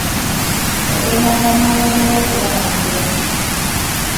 Yagendanga n'abaana be okubalambula.